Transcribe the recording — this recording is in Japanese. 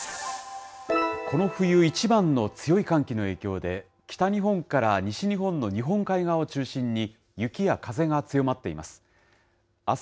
この冬一番の強い寒気の影響で、北日本から西日本の日本海側を中心に、雪や風が強まっています。